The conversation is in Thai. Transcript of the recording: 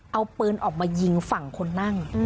เอาปืนออกมายิงฝั่งคนนั่ง